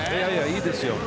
いいですよ。